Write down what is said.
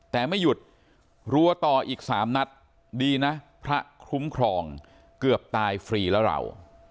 แต่ไม่หยุดรัวต่ออีก๓นัดดีนะพระคุ้มครองเกือบตายฟรีแล้วเรา